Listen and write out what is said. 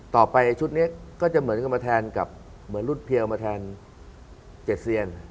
ต่อไปชุดนี้ก็จะเหมือนกับมาแทนกับเหมือนรุดเพียวมาแทน๗เซียน